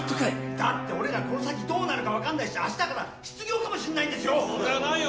だって俺らこの先どうなるかわかんないし明日から失業かもしんないんですよ。